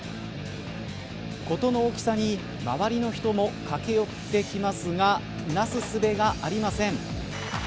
事の大きさに周りの人も駆け寄ってきますがなすすべがありません。